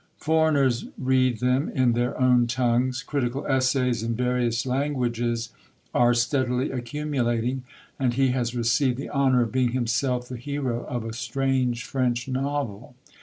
Foreigners read them in their own tongues; critical essays in various languages are steadily accumulating; and he has received the honour of being himself the hero of a strange French novel.